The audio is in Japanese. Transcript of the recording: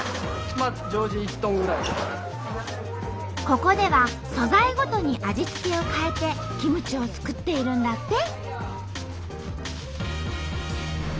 ここでは素材ごとに味付けを変えてキムチを作っているんだって。